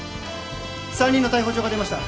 ３人の逮捕状が出ました。